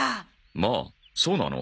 まあそうなの？